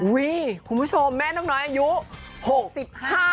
อุ้ยคุณผู้ชมแม่น้องหน่อยอายุ๖๕ปี